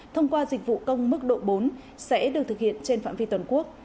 thông qua dịch vụ công mức độ bốn sẽ được thực hiện trên phạm vi toàn quốc